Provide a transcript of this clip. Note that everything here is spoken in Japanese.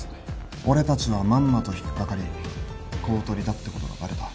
俺たちはまんまと引っ掛かり公取だってことがバレた。